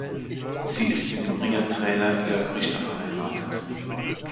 Sie ist mit dem Ringertrainer Jörg Richter verheiratet.